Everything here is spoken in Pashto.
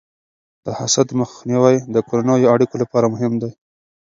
د حسد مخنیوی د کورنیو اړیکو لپاره مهم دی.